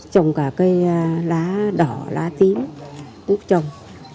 trồng cả cây lá đỏ lá tím túp trồng